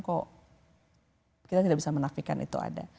kok kita tidak bisa menafikan itu ada